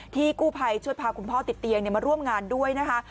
กู้ภัยช่วยพาคุณพ่อติดเตียงมาร่วมงานด้วยนะคะ